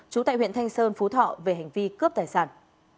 trú tại huyện thanh sơn phú thọ về hành vi cướp tài sản